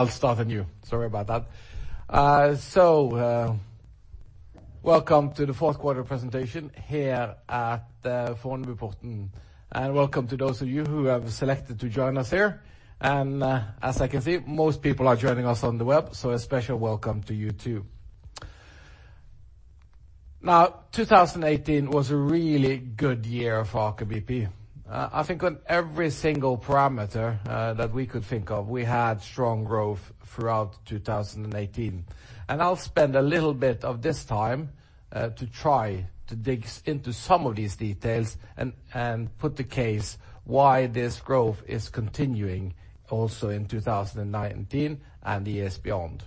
I'll start anew. Sorry about that. Welcome to the fourth quarter presentation here at the Fornebuporten. Welcome to those of you who have selected to join us here. As I can see, most people are joining us on the web, so a special welcome to you, too. 2018 was a really good year for Aker BP. I think on every single parameter that we could think of, we had strong growth throughout 2018. I'll spend a little bit of this time to try to dig into some of these details and put the case why this growth is continuing also in 2019 and the years beyond.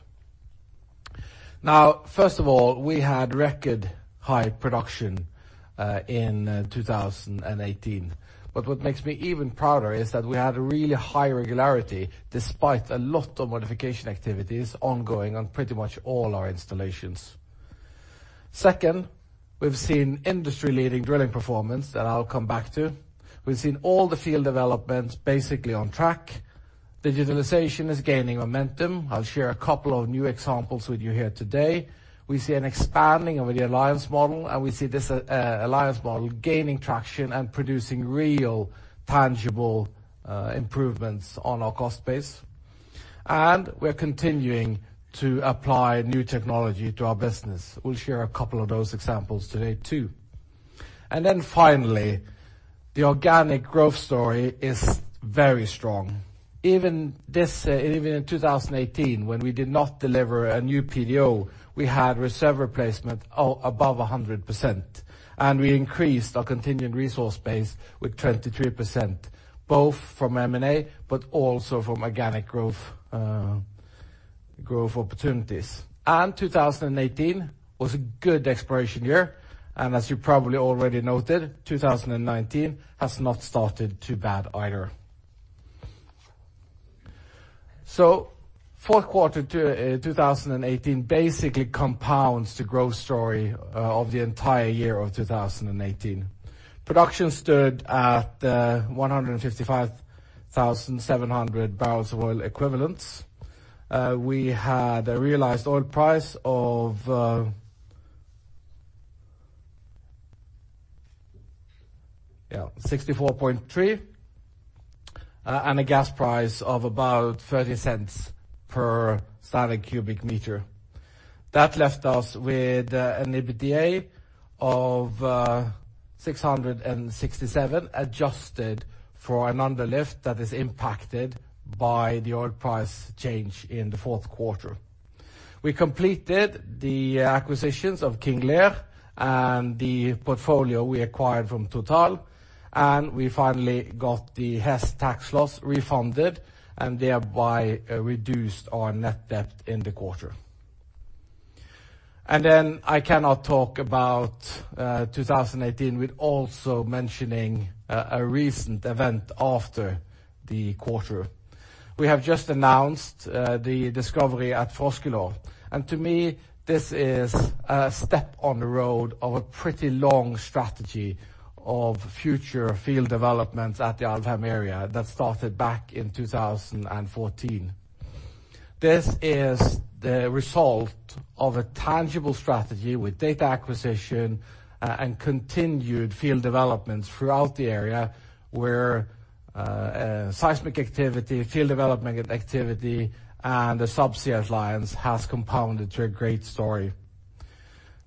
First of all, we had record high production in 2018. What makes me even prouder is that we had really high regularity despite a lot of modification activities ongoing on pretty much all our installations. Second, we've seen industry-leading drilling performance that I'll come back to. We've seen all the field developments basically on track. Digitalization is gaining momentum. I'll share a couple of new examples with you here today. We see an expanding of the alliance model, and we see this alliance model gaining traction and producing real, tangible improvements on our cost base. We're continuing to apply new technology to our business. We'll share a couple of those examples today, too. Finally, the organic growth story is very strong. Even in 2018, when we did not deliver a new PDO, we had reserve replacement above 100%. We increased our continued resource base with 23%, both from M&A but also from organic growth opportunities. 2018 was a good exploration year. As you probably already noted, 2019 has not started too bad either. Fourth quarter 2018 basically compounds the growth story of the entire year of 2018. Production stood at 155,700 BOE. We had a realized oil price of $64.3 and a gas price of about $0.30/standard cubic meter. That left us with an EBITDA of $667 million, adjusted for an underlift that is impacted by the oil price change in the fourth quarter. We completed the acquisitions of King Lear and the portfolio we acquired from Total, and we finally got the Hess tax loss refunded and thereby reduced our net debt in the quarter. I cannot talk about 2018 without also mentioning a recent event after the quarter. We have just announced the discovery at Froskelår. To me, this is a step on the road of a pretty long strategy of future field developments at the Alvheim area that started back in 2014. This is the result of a tangible strategy with data acquisition and continued field developments throughout the area where seismic activity, field development activity, and the subsea alliance has compounded to a great story.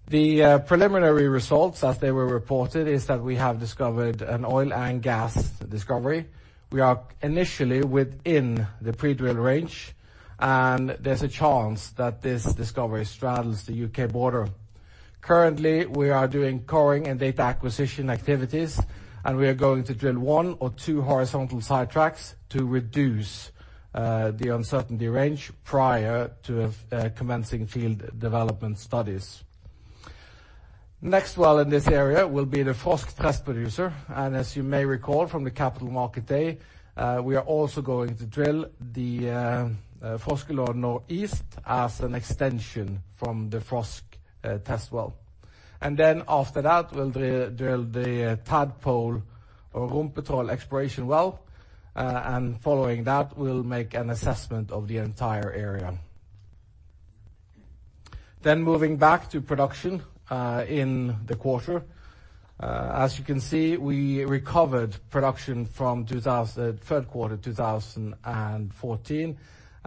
The preliminary results as they were reported is that we have discovered an oil and gas discovery. We are initially within the pre-drill range, and there's a chance that this discovery straddles the U.K. border. Currently, we are doing coring and data acquisition activities, and we are going to drill one or two horizontal sidetracks to reduce the uncertainty range prior to commencing field development studies. Next well in this area will be the Frosk test producer. As you may recall from the Capital Market Day, we are also going to drill the Froskelår Northeast as an extension from the Frosk test well. After that, we'll drill the Tadpole or Rumpetroll exploration well, and following that, we'll make an assessment of the entire area. Moving back to production in the quarter. As you can see, we recovered production from third quarter 2014.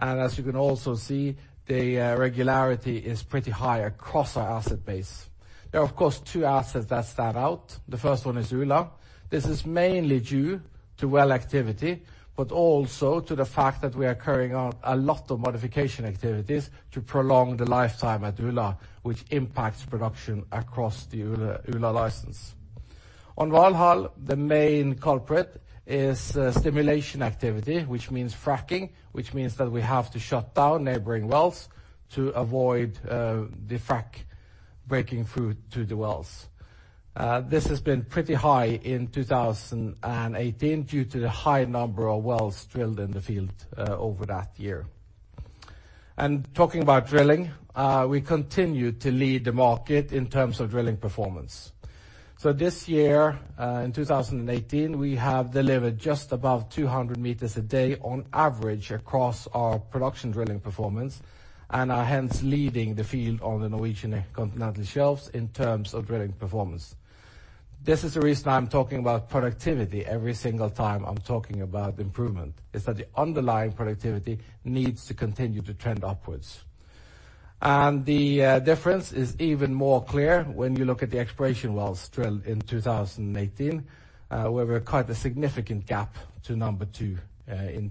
As you can also see, the regularity is pretty high across our asset base. There are, of course, two assets that stand out. The first one is Ula. This is mainly due to well activity, but also to the fact that we are carrying out a lot of modification activities to prolong the lifetime at Ula, which impacts production across the Ula license. On Valhall, the main culprit is stimulation activity, which means fracking, which means that we have to shut down neighboring wells to avoid the frack breaking through to the wells. This has been pretty high in 2018 due to the high number of wells drilled in the field over that year. Talking about drilling, we continue to lead the market in terms of drilling performance. This year, in 2018, we have delivered just above 200 m a day on average across our production drilling performance, and are hence leading the field on the Norwegian Continental Shelves in terms of drilling performance. This is the reason I'm talking about productivity every single time I'm talking about improvement, is that the underlying productivity needs to continue to trend upwards. The difference is even more clear when you look at the exploration wells drilled in 2018, where we're quite a significant gap to number two on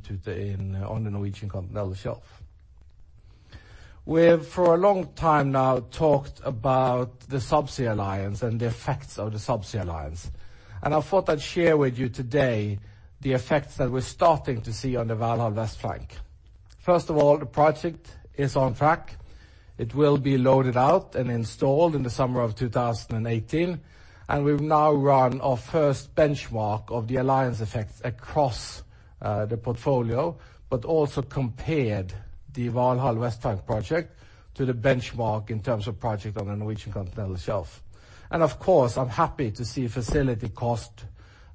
the Norwegian continental shelf. We've, for a long time now, talked about the subsea alliance and the effects of the subsea alliance. I thought I'd share with you today the effects that we're starting to see on the Valhall West Flank. First of all, the project is on track. It will be loaded out and installed in the summer of 2018. We've now run our first benchmark of the alliance effects across the portfolio, but also compared the Valhall West Flank project to the benchmark in terms of project on the Norwegian continental shelf. Of course, I'm happy to see facility cost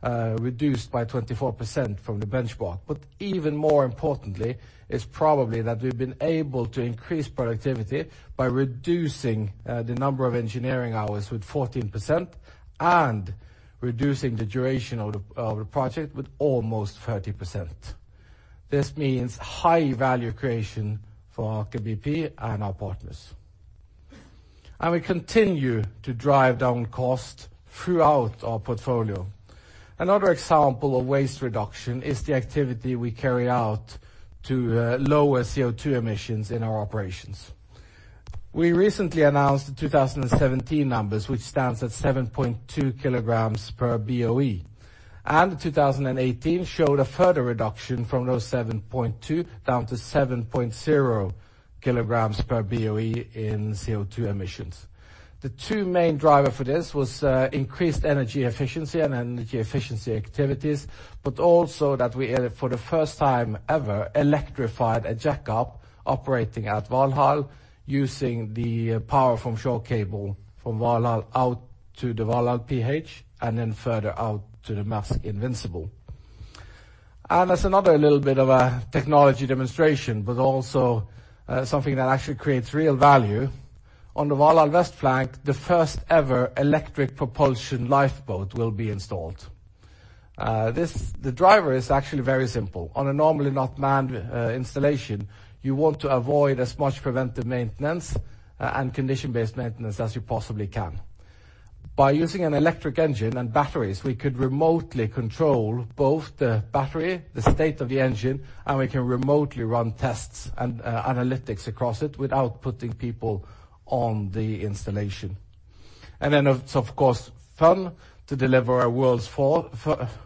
reduced by 24% from the benchmark. Even more importantly is probably that we've been able to increase productivity by reducing the number of engineering hours with 14% and reducing the duration of the project with almost 30%. This means high value creation for Aker BP and our partners. We continue to drive down cost throughout our portfolio. Another example of waste reduction is the activity we carry out to lower CO2 emissions in our operations. We recently announced the 2017 numbers, which stands at 7.2 kg/BOE, and the 2018 showed a further reduction from those 7.2 kg down to 7.0 kg/BOE in CO2 emissions. The two main driver for this was increased energy efficiency and energy efficiency activities, but also that we, for the first time ever, electrified a jackup operating at Valhall using the power from shore cable from Valhall out to the Valhall PH and then further out to the Maersk Invincible. That's another little bit of a technology demonstration, but also something that actually creates real value. On the Valhall West Flank, the first ever electric propulsion lifeboat will be installed. The driver is actually very simple. On a normally not manned installation, you want to avoid as much preventive maintenance and condition-based maintenance as you possibly can. By using an electric engine and batteries, we could remotely control both the battery, the state of the engine, and we can remotely run tests and analytics across it without putting people on the installation. It's of course fun to deliver a world's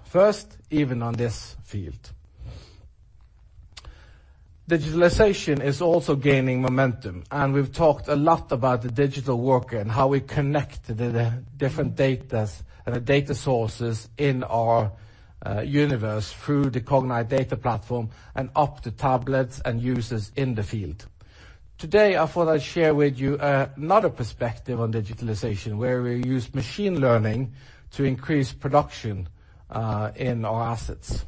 first even on this field. Digitalization is also gaining momentum, and we've talked a lot about the digital worker and how we connect the different data sources in our universe through the Cognite data platform and up the tablets and users in the field. Today, I thought I'd share with you another perspective on digitalization, where we use machine learning to increase production in our assets.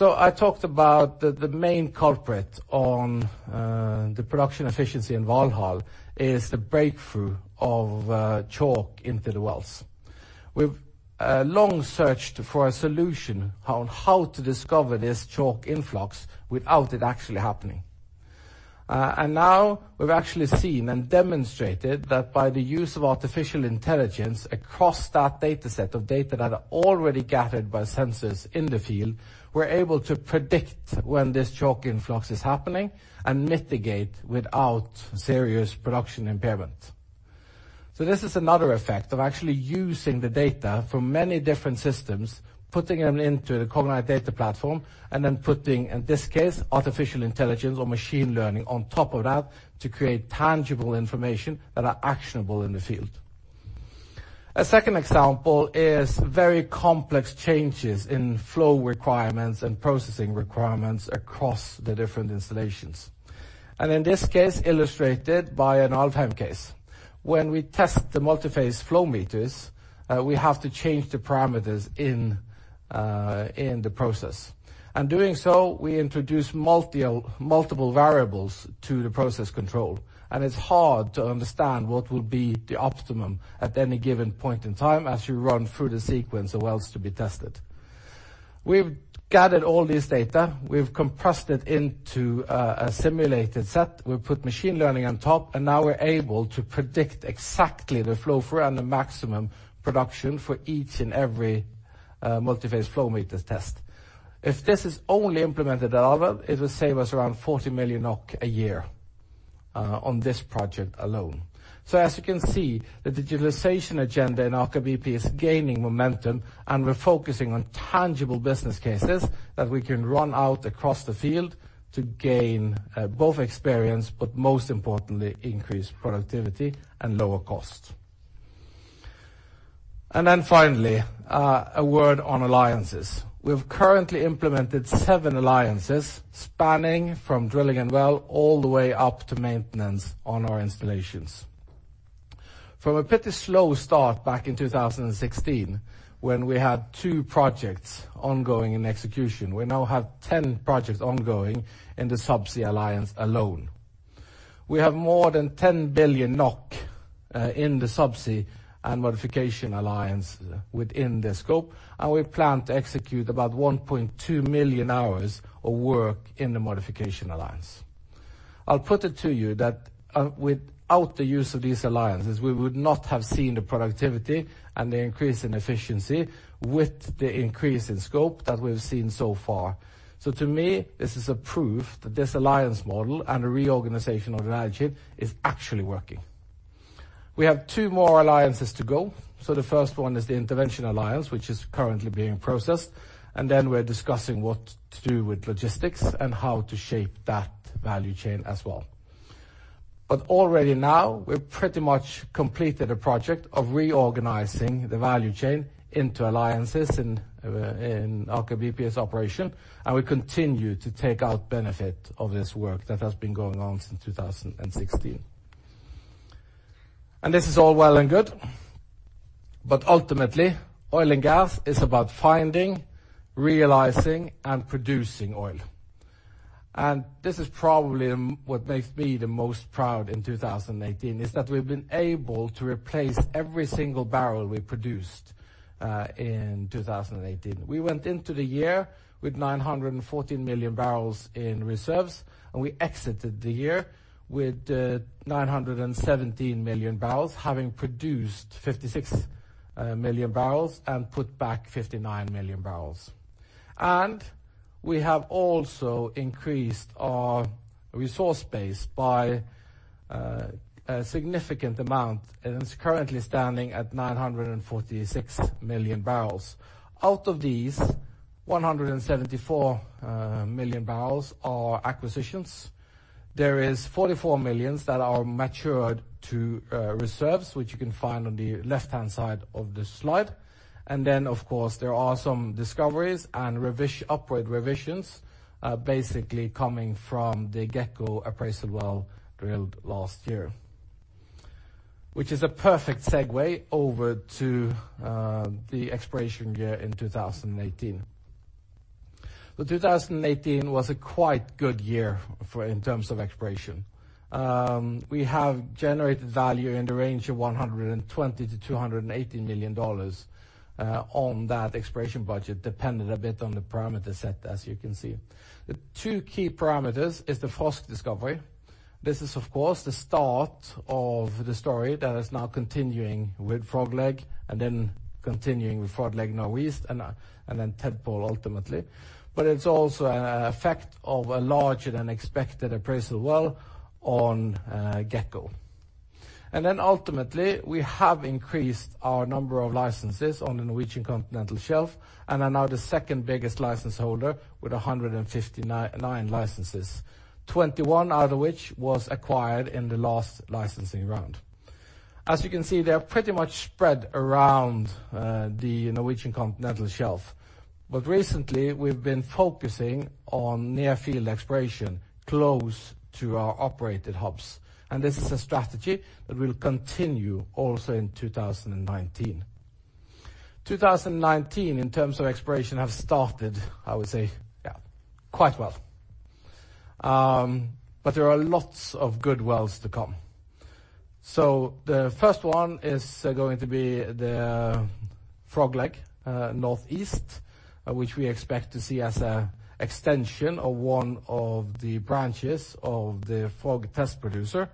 I talked about the main culprit on the production efficiency in Valhall is the breakthrough of chalk into the wells. We've long searched for a solution on how to discover this chalk influx without it actually happening. Now we've actually seen and demonstrated that by the use of artificial intelligence across that data set of data that are already gathered by sensors in the field, we're able to predict when this chalk influx is happening and mitigate without serious production impairment. This is another effect of actually using the data from many different systems, putting them into the Cognite data platform, and then putting, in this case, artificial intelligence or machine learning on top of that to create tangible information that are actionable in the field. A second example is very complex changes in flow requirements and processing requirements across the different installations. In this case, illustrated by an Alvheim case. When we test the multiphase flow meters, we have to change the parameters in the process. In doing so, we introduce multiple variables to the process control, it's hard to understand what will be the optimum at any given point in time as you run through the sequence of wells to be tested. We've gathered all this data, we've compressed it into a simulated set. We put machine learning on top, now we're able to predict exactly the flow through and the maximum production for each and every multiphase flow meter test. If this is only implemented at Alvheim, it will save us around 40 million NOK a year on this project alone. As you can see, the digitalization agenda in Aker BP is gaining momentum, and we're focusing on tangible business cases that we can run out across the field to gain both experience, but most importantly, increase productivity and lower cost. Then finally, a word on alliances. We've currently implemented seven alliances spanning from drilling and well all the way up to maintenance on our installations. From a pretty slow start back in 2016, when we had two projects ongoing in execution, we now have 10 projects ongoing in the subsea alliance alone. We have more than 10 billion NOK in the subsea and modification alliance within the scope, and we plan to execute about 1.2 million hours of work in the modification alliance. I'll put it to you that without the use of these alliances, we would not have seen the productivity and the increase in efficiency with the increase in scope that we've seen so far. To me, this is proof that this alliance model and the reorganization of the value chain is actually working. We have two more alliances to go. The first one is the intervention alliance, which is currently being processed. We're discussing what to do with logistics and how to shape that value chain as well. Already now, we've pretty much completed a project of reorganizing the value chain into alliances in Aker BP's operation, and we continue to take out benefit of this work that has been going on since 2016. This is all well and good, but ultimately, oil and gas is about finding, realizing, and producing oil. This is probably what makes me the most proud in 2018, is that we've been able to replace every single barrel we produced in 2018. We went into the year with 914 million barrels in reserves, and we exited the year with 917 million barrels, having produced 56 million barrels and put back 59 million barrels. We have also increased our resource base by a significant amount, and it's currently standing at 946 million barrels. Out of these, 174 million barrels are acquisitions. There is 44 millions that are matured to reserves, which you can find on the left-hand side of the slide. Of course, there are some discoveries and upward revisions basically coming from the Gekko appraisal well drilled last year. Which is a perfect segue over to the exploration year in 2018. 2018 was a quite good year in terms of exploration. We have generated value in the range of $120 million-$280 million on that exploration budget, dependent a bit on the parameter set, as you can see. The two key parameters is the Frosk discovery. This is, of course, the start of the story that is now continuing with Frog Leg and then continuing with Frog Leg Northeast and then Tadpole ultimately. It's also an effect of a larger-than-expected appraisal well on Gekko. Ultimately, we have increased our number of licenses on the Norwegian Continental Shelf and are now the second-biggest license holder with 159 licenses, 21 out of which was acquired in the last licensing round. As you can see, they are pretty much spread around the Norwegian Continental Shelf. Recently, we've been focusing on near-field exploration close to our operated hubs. This is a strategy that will continue also in 2019. 2019, in terms of exploration, have started, I would say, quite well. There are lots of good wells to come. The first one is going to be the Frog Leg Northeast, which we expect to see as an extension of one of the branches of the Frog test producer.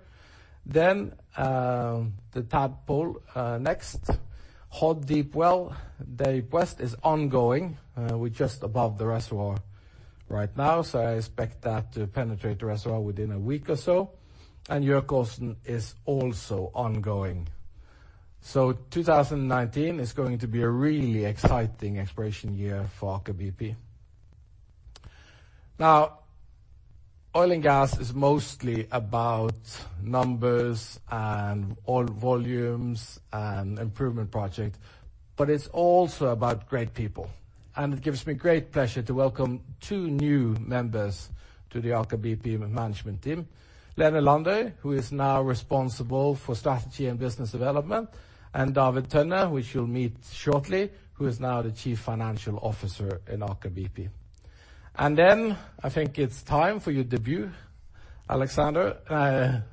Then the Tadpole next. Hod Deep well, the quest is ongoing. We are just above the reservoir right now, so I expect that to penetrate the reservoir within a week or so. Gjøkåsen is also ongoing. 2019 is going to be a really exciting exploration year for Aker BP. Oil and gas is mostly about numbers and oil volumes and improvement project, but it is also about great people. It gives me great pleasure to welcome two new members to the Aker BP management team. Lene Landøy, who is now responsible for Strategy and Business Development, and David Tønne, which you will meet shortly, who is now the Chief Financial Officer in Aker BP. I think it is time for your debut, Alexander.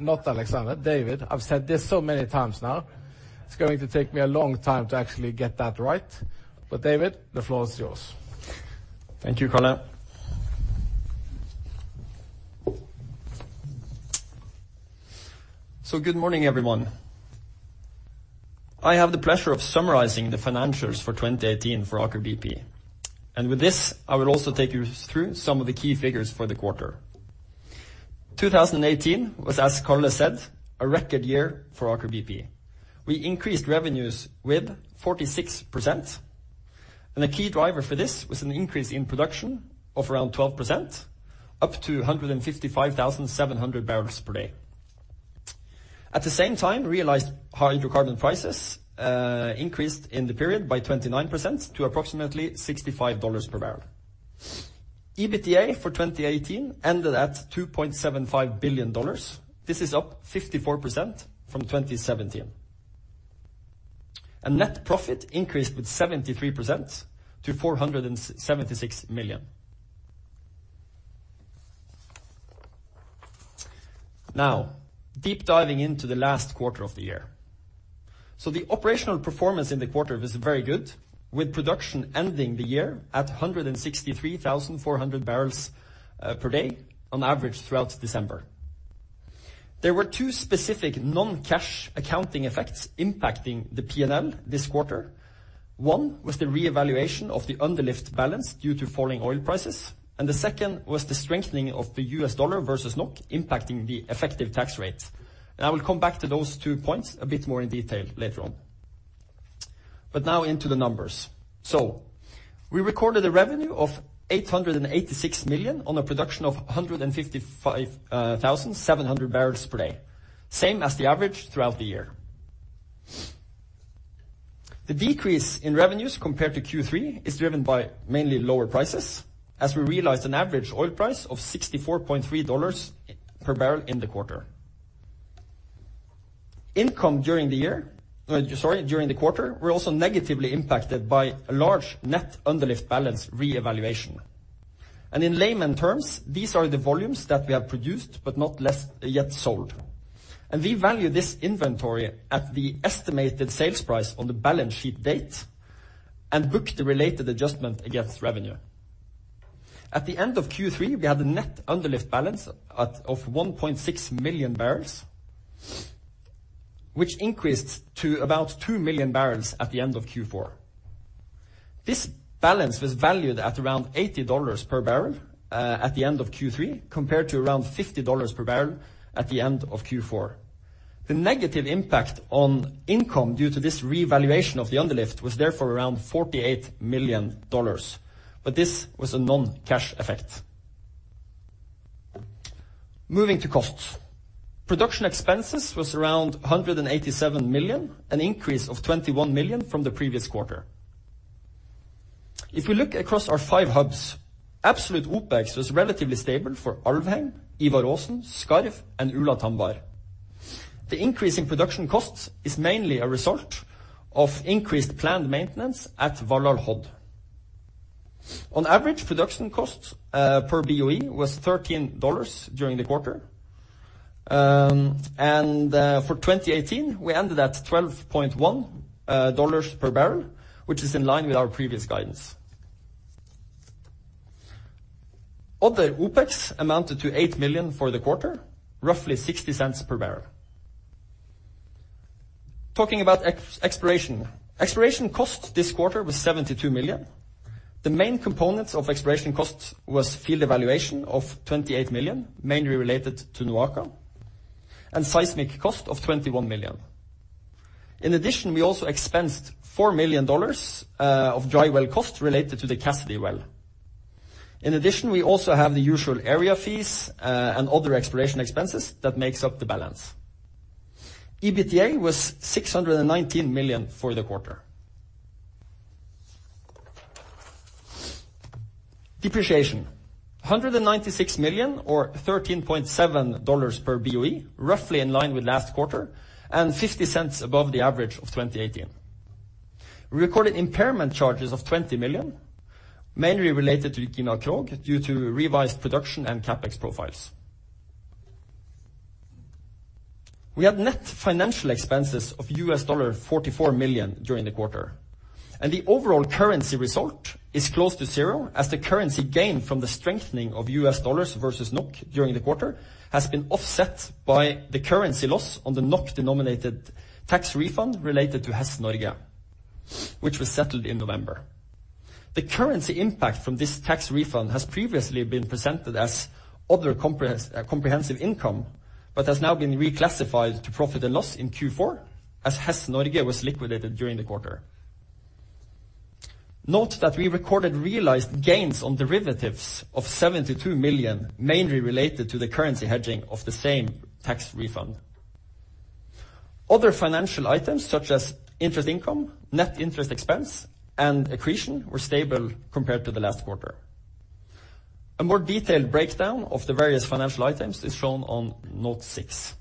Not Alexander, David. I have said this so many times now. It is going to take me a long time to actually get that right. But David, the floor is yours. Thank you, Karl. Good morning, everyone. I have the pleasure of summarizing the financials for 2018 for Aker BP. With this, I will also take you through some of the key figures for the quarter. 2018 was, as Karl said, a record year for Aker BP. We increased revenues with 46%, and the key driver for this was an increase in production of around 12%, up to 155,700 bpd. At the same time, realized hydrocarbon prices increased in the period by 29% to approximately $65/barrel. EBITDA for 2018 ended at $2.75 billion. This is up 54% from 2017. Net profit increased with 73% to $476 million. Deep diving into the last quarter of the year. The operational performance in the quarter was very good, with production ending the year at 163,400 bpd on average throughout December. There were two specific non-cash accounting effects impacting the P&L this quarter. One was the reevaluation of the underlift balance due to falling oil prices, and the second was the strengthening of the U.S. dollar versus NOK, impacting the effective tax rate. I will come back to those two points a bit more in detail later on. Into the numbers. We recorded a revenue of $886 million on a production of 155,700 bpd, same as the average throughout the year. The decrease in revenues compared to Q3 is driven by mainly lower prices as we realized an average oil price of $64.3/barrel in the quarter. Income during the quarter were also negatively impacted by a large net underlift balance reevaluation. In layman terms, these are the volumes that we have produced but not yet sold. We value this inventory at the estimated sales price on the balance sheet date and book the related adjustment against revenue. At the end of Q3, we had a net underlift balance of 1.6 million barrels, which increased to about 2 million barrels at the end of Q4. This balance was valued at around $80/barrel at the end of Q3 compared to around $50/barrel at the end of Q4. The negative impact on income due to this revaluation of the underlift was therefore around $48 million, but this was a non-cash effect. Moving to costs. Production expenses was around $187 million, an increase of $21 million from the previous quarter. If we look across our five hubs, absolute OpEx was relatively stable for Alvheim, Ivar Aasen, Skarv, and Ula-Tambar. The increase in production costs is mainly a result of increased planned maintenance at Valhall Hod. On average, production cost per BOE was $13 during the quarter. For 2018, we ended at $12.1/barrel, which is in line with our previous guidance. Other OpEx amounted to $8 million for the quarter, roughly $0.60/barrel. Talking about exploration. Exploration cost this quarter was $72 million. The main components of exploration costs was field evaluation of $28 million, mainly related to NOAKA, and seismic cost of $21 million. In addition, we also expensed $4 million of dry well cost related to the Cassidy well. In addition, we also have the usual area fees and other exploration expenses that makes up the balance. EBITDA was $619 million for the quarter. Depreciation, $196 million or $13.7/BOE, roughly in line with last quarter and $0.50 above the average of 2018. We recorded impairment charges of $20 million, mainly related to [Gimle-Trogue] due to revised production and CapEx profiles. We had net financial expenses of $44 million during the quarter. The overall currency result is close to zero, as the currency gain from the strengthening of U.S. dollars versus NOK during the quarter has been offset by the currency loss on the NOK-denominated tax refund related to Hess Norge, which was settled in November. The currency impact from this tax refund has previously been presented as other comprehensive income, but has now been reclassified to P&L in Q4 as Hess Norge was liquidated during the quarter. Note that we recorded realized gains on derivatives of $72 million, mainly related to the currency hedging of the same tax refund. Other financial items such as interest income, net interest expense, and accretion were stable compared to the last quarter. A more detailed breakdown of the various financial items is shown on note six.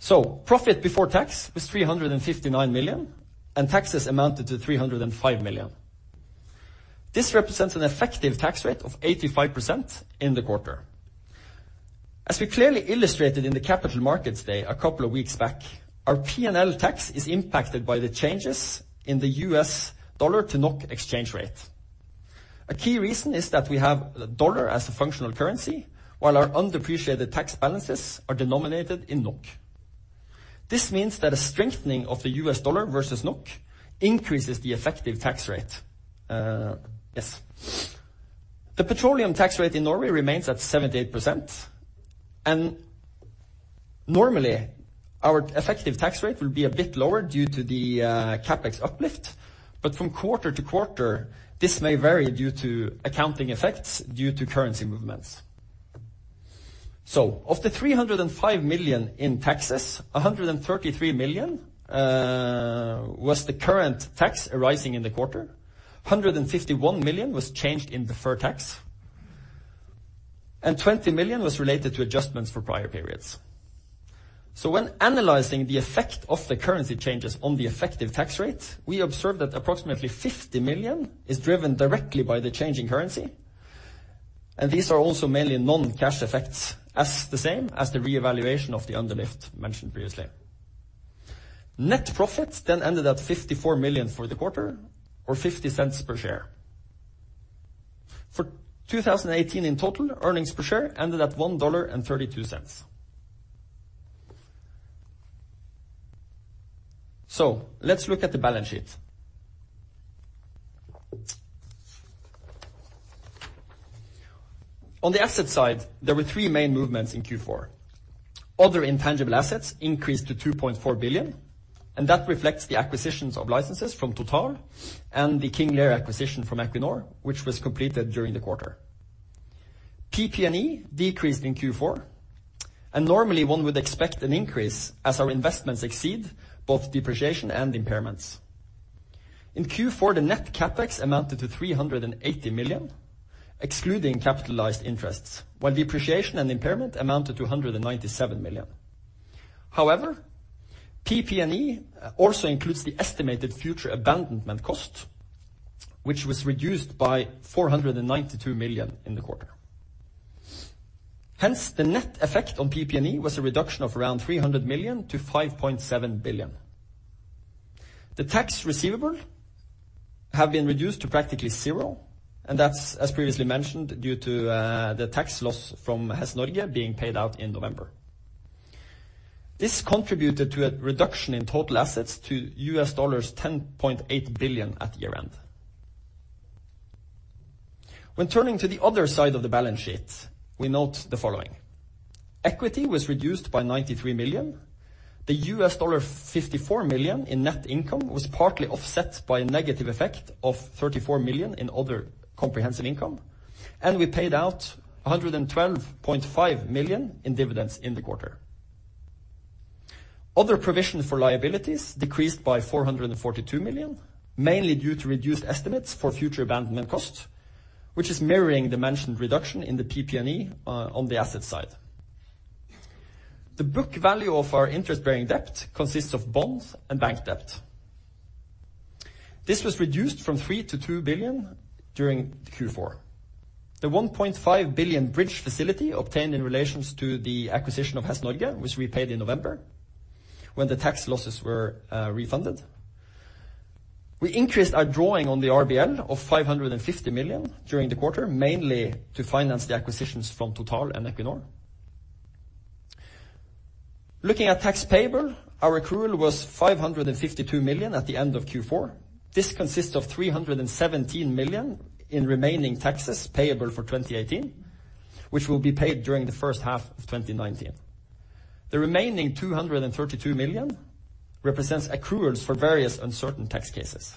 Profit before tax was $359 million and taxes amounted to $305 million. This represents an effective tax rate of 85% in the quarter. As we clearly illustrated in the Capital Markets Day a couple of weeks back, our P&L tax is impacted by the changes in the U.S. dollar to NOK exchange rate. A key reason is that we have the dollar as a functional currency while our undepreciated tax balances are denominated in NOK. This means that a strengthening of the U.S. dollar versus NOK increases the effective tax rate. Yes. The petroleum tax rate in Norway remains at 78%. Normally, our effective tax rate will be a bit lower due to the CapEx uplift, but from quarter-to-quarter, this may vary due to accounting effects due to currency movements. Of the $305 million in taxes, $133 million was the current tax arising in the quarter, $151 million was changed in deferred tax, and $20 million was related to adjustments for prior periods. When analyzing the effect of the currency changes on the effective tax rate, we observed that approximately $50 million is driven directly by the change in currency, and these are also mainly non-cash effects as the same as the reevaluation of the uplift mentioned previously. Net profit then ended at $54 million for the quarter, or $0.50/share. For 2018 in total, earnings per share ended at $1.32. Let's look at the balance sheet. On the asset side, there were three main movements in Q4. Other intangible assets increased to $2.4 billion, that reflects the acquisitions of licenses from Total and the King Lear acquisition from Equinor, which was completed during the quarter. PP&E decreased in Q4, normally one would expect an increase as our investments exceed both depreciation and impairments. In Q4, the net CapEx amounted to $380 million, excluding capitalized interests, while depreciation and impairment amounted to $197 million. However, PP&E also includes the estimated future abandonment cost, which was reduced by $492 million in the quarter. Hence, the net effect on PP&E was a reduction of around $300 million to $5.7 billion. The tax receivable have been reduced to practically zero, that's as previously mentioned, due to the tax loss from Hess Norge being paid out in November. This contributed to a reduction in total assets to $10.8 billion at year-end. When turning to the other side of the balance sheet, we note the following. Equity was reduced by $93 million. The $54 million in net income was partly offset by a negative effect of $34 million in other comprehensive income, we paid out $112.5 million in dividends in the quarter. Other provision for liabilities decreased by $442 million, mainly due to reduced estimates for future abandonment costs, which is mirroring the mentioned reduction in the PP&E on the asset side. The book value of our interest-bearing debt consists of bonds and bank debt. This was reduced from $3 billion to $2 billion during Q4. The $1.5 billion bridge facility obtained in relations to the acquisition of Hess Norge, which we paid in November, when the tax losses were refunded. We increased our drawing on the RBL of $550 million during the quarter, mainly to finance the acquisitions from Total and Equinor. Looking at tax payable, our accrual was $552 million at the end of Q4. This consists of $317 million in remaining taxes payable for 2018, which will be paid during the first half of 2019. The remaining $232 million represents accruals for various uncertain tax cases.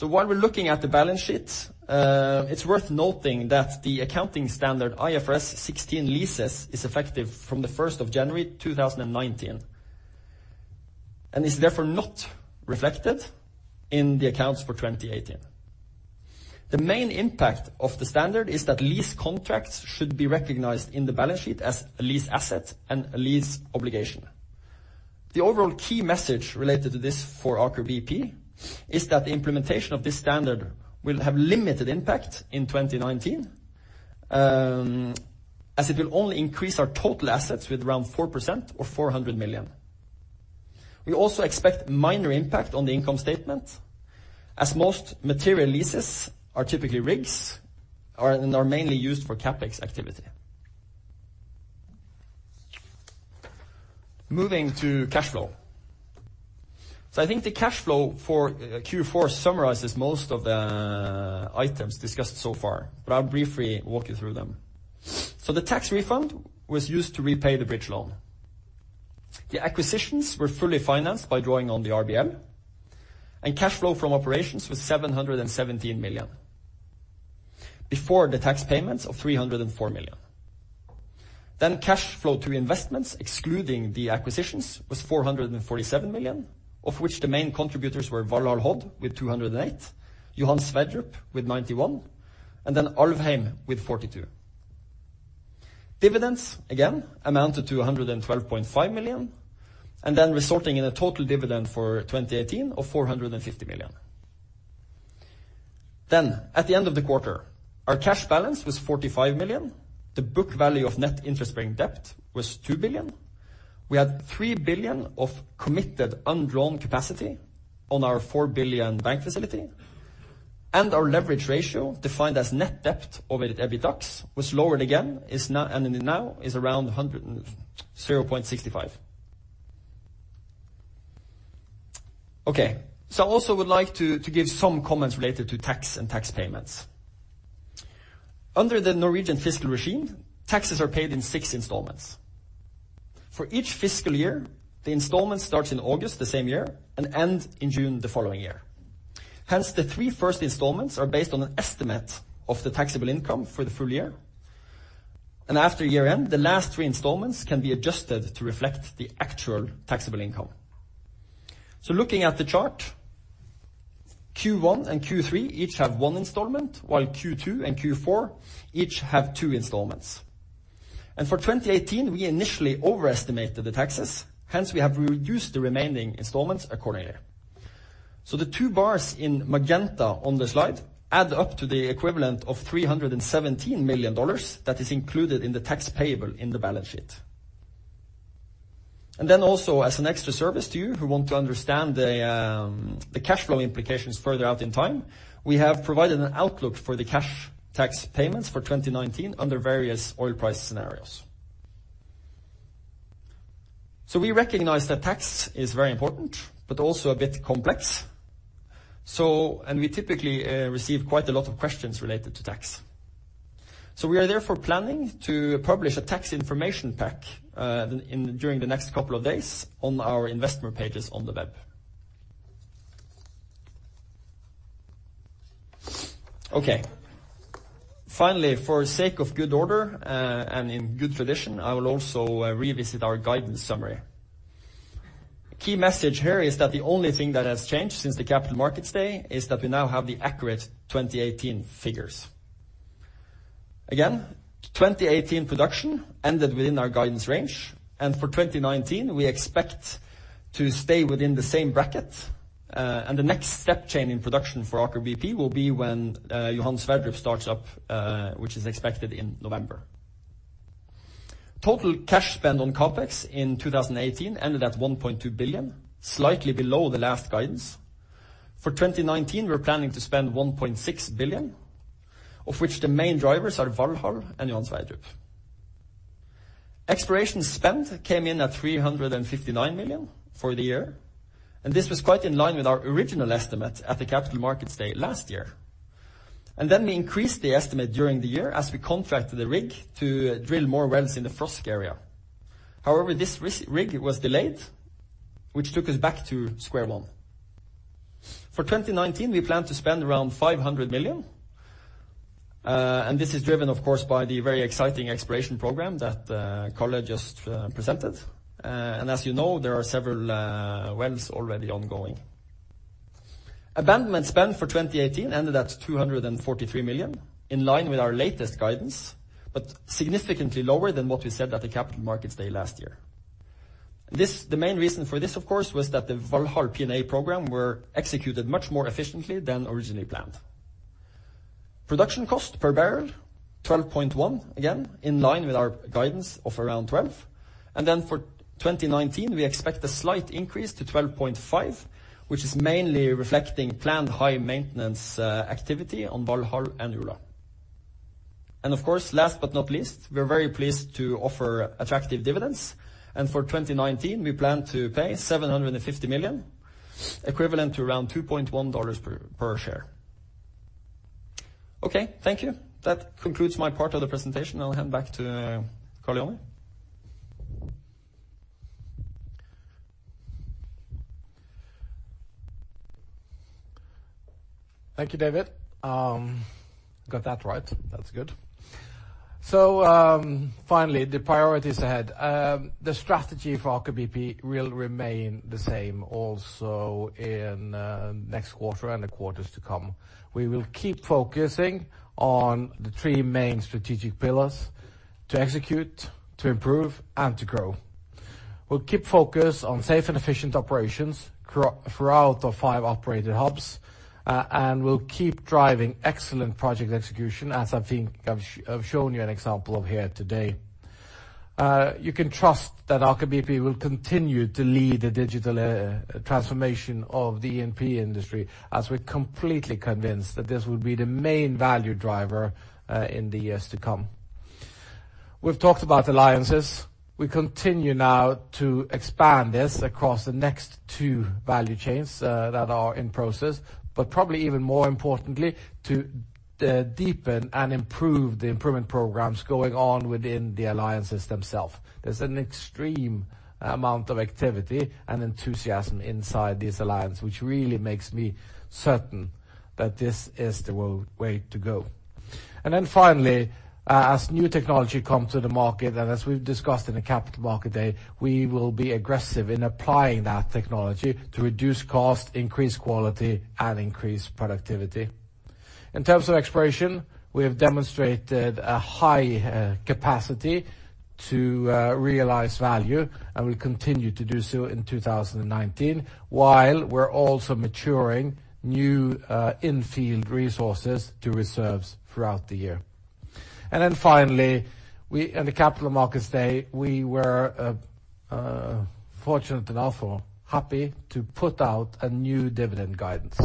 While we're looking at the balance sheet, it's worth noting that the accounting standard IFRS 16 leases is effective from the 1st of January 2019, is therefore not reflected in the accounts for 2018. The main impact of the standard is that lease contracts should be recognized in the balance sheet as a lease asset and a lease obligation. The overall key message related to this for Aker BP is that the implementation of this standard will have limited impact in 2019, as it will only increase our total assets with around 4% or $400 million. We also expect minor impact on the income statement, as most material leases are typically rigs and are mainly used for CapEx activity. Moving to cash flow. I think the cash flow for Q4 summarizes most of the items discussed so far, but I'll briefly walk you through them. The tax refund was used to repay the bridge loan. The acquisitions were fully financed by drawing on the RBL, and cash flow from operations was $717 million before the tax payments of $304 million. Cash flow through investments, excluding the acquisitions, was $447 million, of which the main contributors were Valhall Hod with $208 million, Johan Sverdrup with $91 million, and Alvheim with $42 million. Dividends again amounted to $112.5 million, resulting in a total dividend for 2018 of $450 million. Then, at the end of the quarter, our cash balance was $45 million. The book value of net interest-bearing debt was $2 billion. We had $3 billion of committed undrawn capacity on our $4 billion bank facility, and our leverage ratio, defined as net debt over the EBITDAX, was lowered again and now is around 100 and 0.65. I also would like to give some comments related to tax and tax payments. Under the Norwegian fiscal regime, taxes are paid in six installments. For each fiscal year, the installment starts in August the same year and ends in June the following year. Hence, the three first installments are based on an estimate of the taxable income for the full year. After year-end, the last three installments can be adjusted to reflect the actual taxable income. Looking at the chart, Q1 and Q3 each have one installment, while Q2 and Q4 each have two installments. For 2018, we initially overestimated the taxes. Hence, we have reduced the remaining installments accordingly. The two bars in magenta on the slide add up to the equivalent of $317 million that is included in the tax payable in the balance sheet. Then, also as an extra service to you who want to understand the cash flow implications further out in time, we have provided an outlook for the cash tax payments for 2019 under various oil price scenarios. We recognize that tax is very important, but also a bit complex. We typically receive quite a lot of questions related to tax. We are therefore planning to publish a tax information pack during the next couple of days on our investor pages on the web. Finally, for sake of good order and in good tradition, I will also revisit our guidance summary. Key message here is that the only thing that has changed since the Capital Markets Day is that we now have the accurate 2018 figures. 2018 production ended within our guidance range, and for 2019, we expect to stay within the same bracket. The next step-change in production for Aker BP will be when Johan Sverdrup starts up, which is expected in November. Total cash spend on CapEx in 2018 ended at $1.2 billion, slightly below the last guidance. For 2019, we're planning to spend $1.6 billion, of which the main drivers are Valhall and Johan Sverdrup. Exploration spend came in at $359 million for the year, and this was quite in line with our original estimate at the Capital Markets Day last year. We increased the estimate during the year as we contracted the rig to drill more wells in the Frosk area. However, this rig was delayed, which took us back to square one. For 2019, we plan to spend around $500 million. This is driven, of course, by the very exciting exploration program that Karl just presented. As you know, there are several wells already ongoing. Abandonment spend for 2018 ended at $243 million, in line with our latest guidance, but significantly lower than what we said at the Capital Markets Day last year. The main reason for this, of course, was that the Valhall P&A program were executed much more efficiently than originally planned. Production cost per barrel $12.1, again, in line with our guidance of around $12. For 2019, we expect a slight increase to $12.5, which is mainly reflecting planned high-maintenance activity on Valhall and Ula. Of course, last but not least, we are very pleased to offer attractive dividends. For 2019, we plan to pay $750 million, equivalent to around $2.1/share. Okay, thank you. That concludes my part of the presentation. I will hand back to Karl. Thank you, David. Got that right. That is good. Finally, the priorities ahead. The strategy for Aker BP will remain the same also in next quarter and the quarters to come. We will keep focusing on the three main strategic pillars: to execute, to improve, and to grow. We will keep focus on safe and efficient operations throughout our five operated hubs, and we will keep driving excellent project execution, as I have shown you an example of here today. You can trust that Aker BP will continue to lead the digital transformation of the E&P industry, as we are completely convinced that this will be the main value driver in the years to come. We have talked about alliances. We continue now to expand this across the next two value chains that are in process, but probably even more importantly, to deepen and improve the improvement programs going on within the alliances themselves. There is an extreme amount of activity and enthusiasm inside this alliance, which really makes me certain that this is the way to go. Finally, as new technology come to the market, as we have discussed in the Capital Market Day, we will be aggressive in applying that technology to reduce cost, increase quality, and increase productivity. In terms of exploration, we have demonstrated a high capacity to realize value, we continue to do so in 2019, while we are also maturing new in-field resources to reserves throughout the year. Finally, in the Capital Markets Day, we were fortunate enough or happy to put out a new dividend guidance.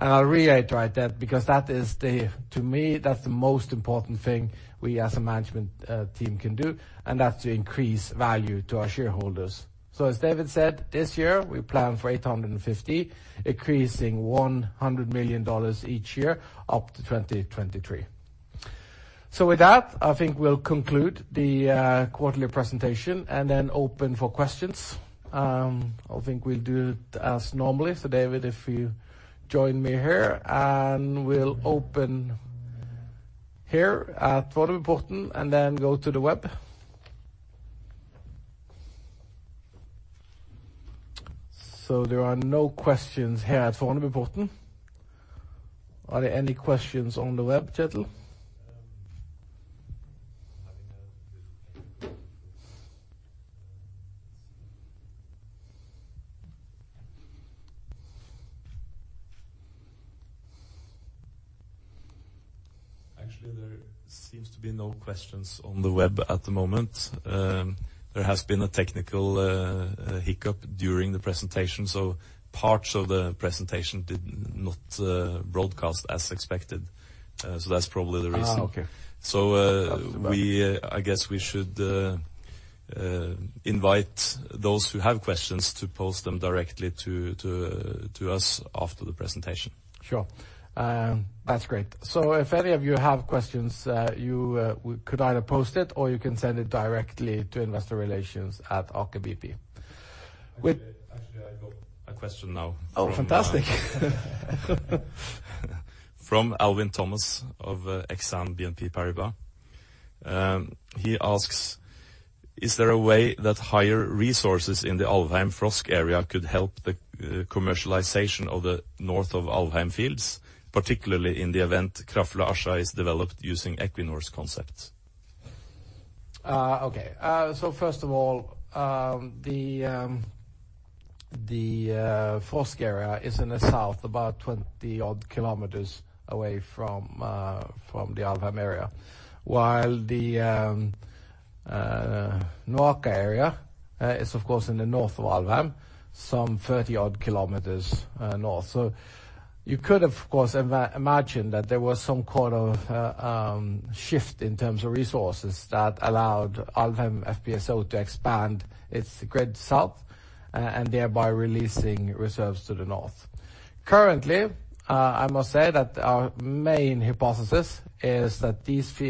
I'll reiterate that because, to me, that's the most important thing we as a management team can do, and that's to increase value to our shareholders. As David said, this year we plan for $850 million, increasing $100 million each year up to 2023. With that, I think we'll conclude the quarterly presentation and then open for questions. I think we'll do it as normally. David, if you join me here, and we'll open here at Fornebuporten and then go to the web. There are no questions here at Fornebuporten. Are there any questions on the web, Kjetil? Actually, there seems to be no questions on the web at the moment. There has been a technical hiccup during the presentation, parts of the presentation did not broadcast as expected. That's probably the reason. Okay. I guess we should invite those who have questions to pose them directly to us after the presentation. Sure. That's great. If any of you have questions, you could either post it or you can send it directly to Investor Relations at Aker BP. Actually, I got a question now. Oh, fantastic. From Alwyn Thomas of Exane BNP Paribas. He asks, "Is there a way that higher resources in the Alvheim Frosk area could help the commercialization of the north of Alvheim fields, particularly in the event Krafla Askja is developed using Equinor's concepts?" First of all, the Frosk area is in the south, about 20-odd kilometers away from the Alvheim area, while the NOAKA area is, of course, in the north of Alvheim, some 30-odd kilometers north. You could, of course, imagine that there was some kind of shift in terms of resources that allowed Alvheim FPSO to expand its grid south, and thereby releasing reserves to the north. Currently, I must say that our main hypothesis is that these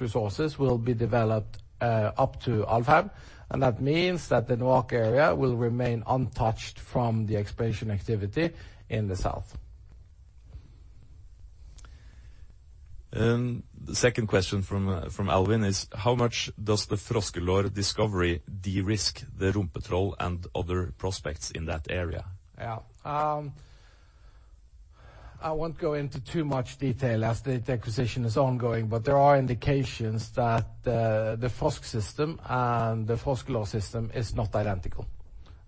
resources will be developed up to Alvheim, and that means that the NOAKA area will remain untouched from the exploration activity in the south. The second question from Alwyn is, "How much does the Froskelår discovery de-risk the Rumpetroll and other prospects in that area?" Yeah. I won't go into too much detail as the acquisition is ongoing, but there are indications that the Frosk system and the Froskelår system is not identical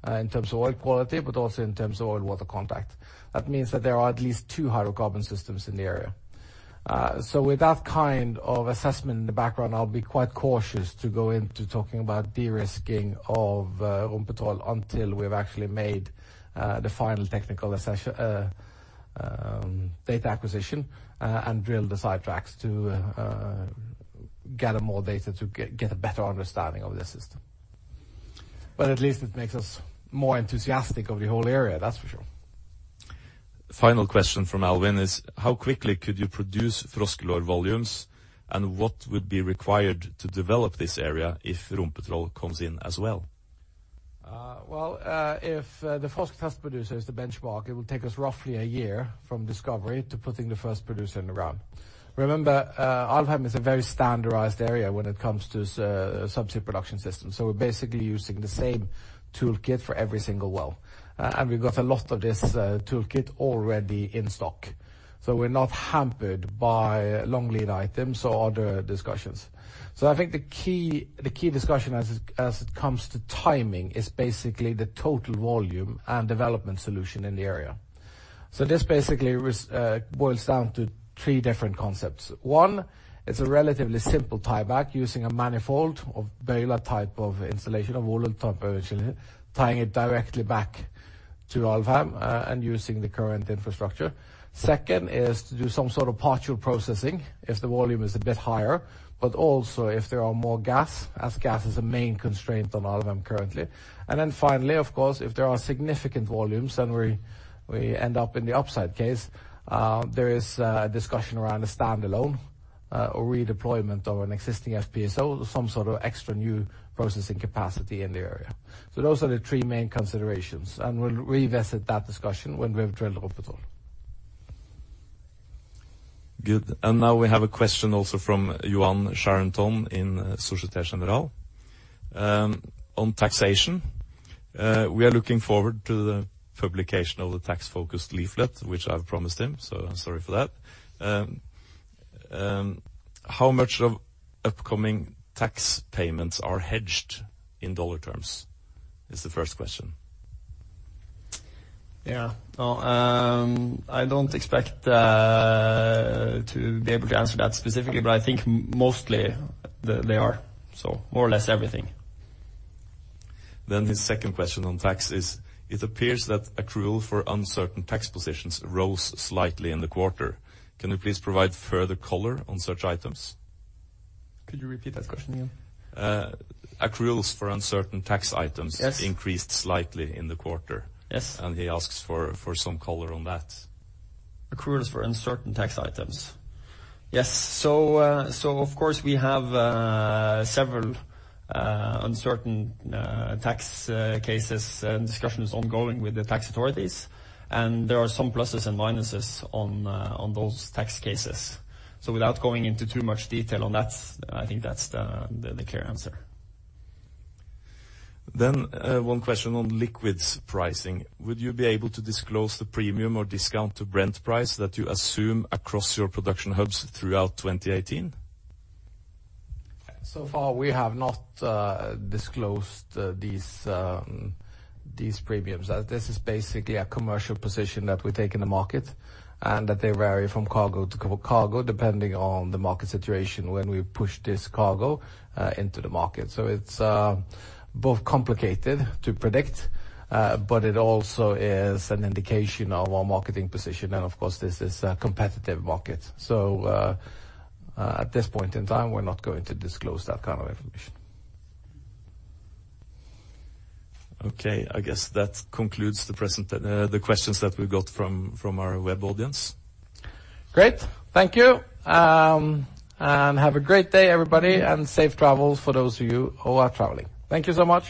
in terms of oil quality, but also in terms of oil-water contact. That means that there are at least two hydrocarbon systems in the area. With that kind of assessment in the background, I'll be quite cautious to go into talking about de-risking of Rumpetroll until we've actually made the final technical data acquisition and drilled the sidetracks to gather more data to get a better understanding of the system. At least it makes us more enthusiastic of the whole area, that's for sure. Final question from Alwyn is, "How quickly could you produce Froskelår volumes, and what would be required to develop this area if Rumpetroll comes in as well?" Well, if the Frosk test producer is the benchmark, it will take us roughly one year from discovery to putting the first producer in the ground. Remember, Alvheim is a very standardized area when it comes to subsea production systems, so we're basically using the same toolkit for every single well. We've got a lot of this toolkit already in stock, so we're not hampered by long lead items or other discussions. I think the key discussion as it comes to timing is basically the total volume and development solution in the area. This basically boils down to three different concepts. One, it's a relatively simple tieback using a manifold of bayonet-type of installation of all the top originally, tying it directly back to Alvheim and using the current infrastructure. Second is to do some sort of partial processing if the volume is a bit higher, but also if there are more gas, as gas is a main constraint on Alvheim currently. Finally, of course, if there are significant volumes, then we end up in the upside case. There is a discussion around a standalone or redeployment of an existing FPSO, some sort of extra new processing capacity in the area. Those are the three main considerations, and we'll revisit that discussion when we have drilled Rumpetroll. Good. We have a question also from Yoann Charenton in Société Générale on taxation. We are looking forward to the publication of the tax-focused leaflet, which I've promised him, so I'm sorry for that. How much of upcoming tax payments are hedged in U.S. dollar terms, is the first question. Yeah. No, I don't expect to be able to answer that specifically, but I think mostly they are. More or less everything. His second question on tax is, it appears that accrual for uncertain tax positions rose slightly in the quarter. Can you please provide further color on such items? Could you repeat that question again? Accruals for uncertain tax items- Yes. -increased slightly in the quarter. Yes. He asks for some color on that. Accruals for uncertain tax items. Yes. Of course, we have several uncertain tax cases and discussions ongoing with the tax authorities, there are some pluses and minuses on those tax cases. Without going into too much detail on that, I think that's the clear answer. One question on liquids pricing. Would you be able to disclose the premium or discount to Brent price that you assume across your production hubs throughout 2018? Far, we have not disclosed these premiums. This is basically a commercial position that we take in the market, that they vary from cargo to cargo, depending on the market situation when we push this cargo into the market. It's both complicated to predict, but it also is an indication of our marketing position. Of course, this is a competitive market. At this point in time, we're not going to disclose that kind of information. Okay, I guess that concludes the questions that we got from our web audience. Great. Thank you, and have a great day, everybody, and safe travels for those of you who are traveling. Thank you so much.